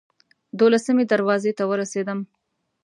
دولسمې دروازې ته ورسېدم.